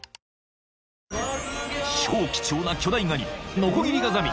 ［超貴重な巨大ガニノコギリガザミ］